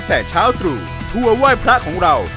แต่เช้าตรู่ทัวร์ไหว้พระของเรา